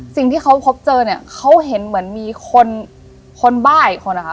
สิ่งที่เขาพบเจอเนี่ยเขาเห็นเหมือนมีคนคนบ้าอีกคนนะคะ